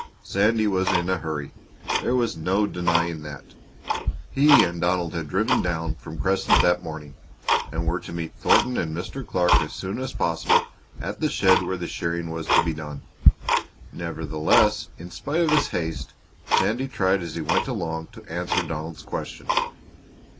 Sandy was in a hurry there was no denying that! He and Donald had driven down from Crescent that morning, and were to meet Thornton and Mr. Clark as soon as possible at the shed where the shearing was to be done. Nevertheless, in spite of his haste, Sandy tried as he went along to answer Donald's question.